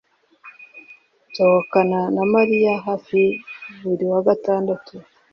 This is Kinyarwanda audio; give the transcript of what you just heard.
Nsohokana na Mariya hafi buri wa gatandatu